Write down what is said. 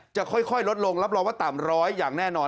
จะค่อยลดลงรับรองว่าต่ำร้อยอย่างแน่นอน